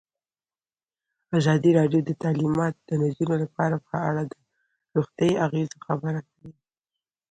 ازادي راډیو د تعلیمات د نجونو لپاره په اړه د روغتیایي اغېزو خبره کړې.